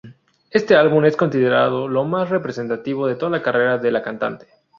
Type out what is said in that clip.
Este álbum es considerado lo más representativo de toda la carrera de la cantante.